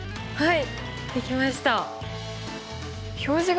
はい。